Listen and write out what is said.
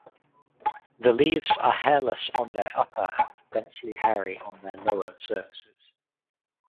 The leaves are hairless on their upper and densely hairy on their lower surfaces.